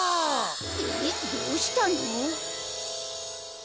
えっどうしたの？